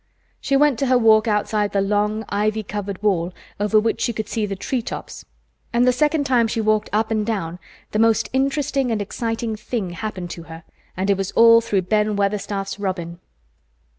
She went to her walk outside the long, ivy covered wall over which she could see the tree tops; and the second time she walked up and down the most interesting and exciting thing happened to her, and it was all through Ben Weatherstaff's robin.